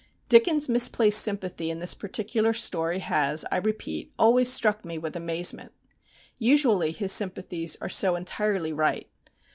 Dickens' misplaced sympathy in this particular story has, I repeat, always struck me with amazement. Usually his sympathies are so entirely right.